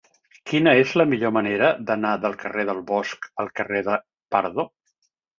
Quina és la millor manera d'anar del carrer del Bosc al carrer de Pardo?